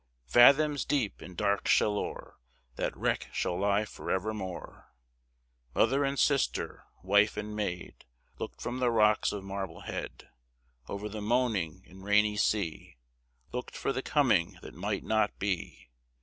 Fathoms deep in dark Chaleur That wreck shall lie forevermore. Mother and sister, wife and maid, Looked from the rocks of Marblehead Over the moaning and rainy sea, Looked for the coming that might not be!